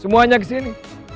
semuanya ke sini